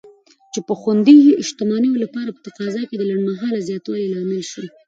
چې د خوندي شتمنیو لپاره په تقاضا کې د لنډمهاله زیاتوالي لامل شو.